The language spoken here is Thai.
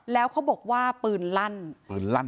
แล้วเขาบอกว่าปืนลั่นปืนลั่น